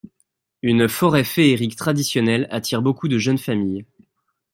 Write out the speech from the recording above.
Une forêt féerique traditionnelle attire beaucoup de jeunes familles.